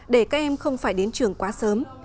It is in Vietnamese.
để các em không phải đến trường quá sớm